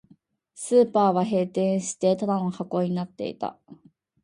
スーパーは閉店して、ただの箱になっていた